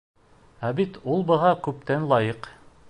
Ә бит ул быға күптән лайыҡ.